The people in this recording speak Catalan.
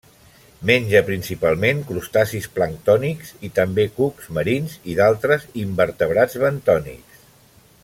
Menja principalment crustacis planctònics i, també, cucs marins i d'altres invertebrats bentònics.